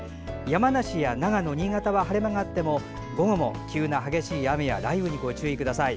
山梨や長野、新潟は晴れ間があっても午後も急な激しい雨や雷雨にご注意ください。